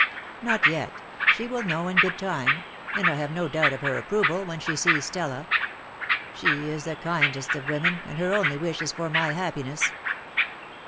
"Not yet. She will know in good time; and I have no doubt of her approval, when she sees Stella. She is the kindest of women, and her only wish is for my happiness."